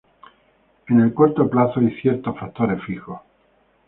En el corto plazo hay ciertos factores fijos.